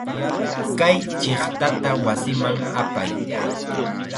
Kay chiqtata wasiman apay.